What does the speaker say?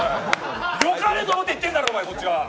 よかれと思って言ってんだ、こっちは。